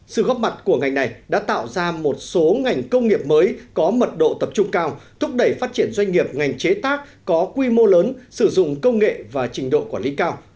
sự góp mặt của ngành này đã tạo ra một số ngành công nghiệp mới có mật độ tập trung cao thúc đẩy phát triển doanh nghiệp ngành chế tác có quy mô lớn sử dụng công nghệ và trình độ quản lý cao